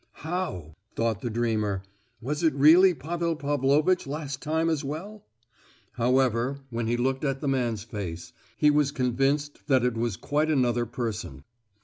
"How?" thought the dreamer. "Was it really Pavel Pavlovitch last time as well?" However, when he looked at the man's face, he was convinced that it was quite another person.